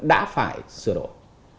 đã phải sửa đổi